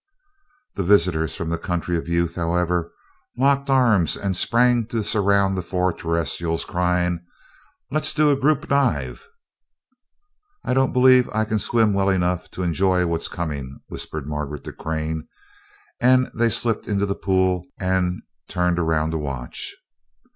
The visitors from the Country of Youth, however, locked arms and sprang to surround the four Terrestrials, crying, "Let's do a group dive!" "I don't believe that I can swim well enough to enjoy what's coming," whispered Margaret to Crane, and they slipped into the pool and turned around to watch.